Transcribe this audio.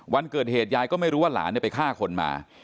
วันเกิดเหตุยายก็ไม่รู้ว่าหลานไปฆ่าคนมา